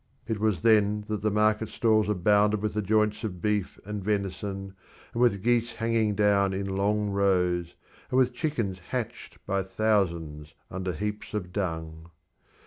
It was then that the market stalls abounded with joints of beef and venison, and with geese hanging down in long rows, and with chickens hatched by thousands under heaps of dung.